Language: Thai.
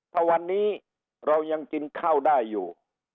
ถ้าวันนี้เรายังกินข้าวได้อยู่